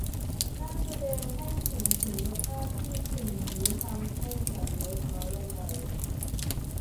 นั่นแสดงให้เห็นถึงสภาพที่สิ่งนี้ทำให้ฉันลดน้อยลงไป